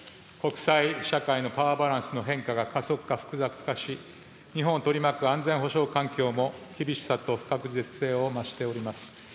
国際社会のパワーバランスの変化が加速化、複雑化し、日本を取り巻く安全保障環境も、厳しさと不確実性を増しております。